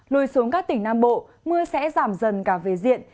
lùi xuống các tỉnh nam bộ mưa sẽ giảm dần cả về diện